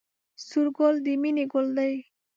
سور ګل د مینې ګل دی